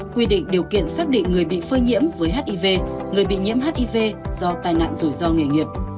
quy định điều kiện xác định người bị phơi nhiễm với hiv người bị nhiễm hiv do tai nạn rủi ro nghề nghiệp